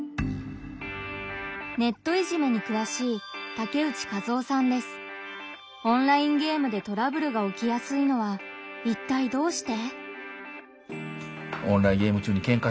ネットいじめにくわしいオンラインゲームでトラブルが起きやすいのはいったいどうして？